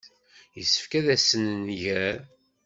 Yessefk ad asen-nɣer.